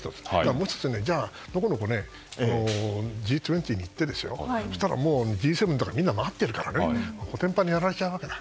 もう１つのこのこＧ２０に行ってそうしたらＧ７のみんなが待っているからこてんぱんにやられちゃうわけだ。